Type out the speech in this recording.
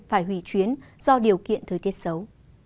phải hủy chuyến do điều kiện thời tiết xấu